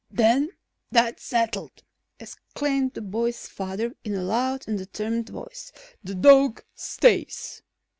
"Then that's settled," exclaimed the boy's father in a loud and determined voice. "The dog stays."